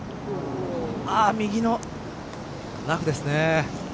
右のラフですね。